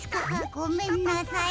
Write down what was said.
ごめんなさい。